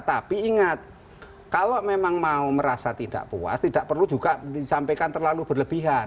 tapi ingat kalau memang mau merasa tidak puas tidak perlu juga disampaikan terlalu berlebihan